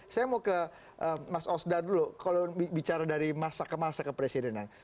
saya mau ke mas osdar dulu kalau bicara dari masa ke masa ke presidenan